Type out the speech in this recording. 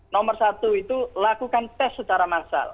nomor satu itu lakukan tes secara massal